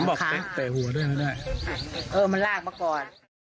ฟังต่อแรคไต่หัวด้วยแล้วกันนะครับ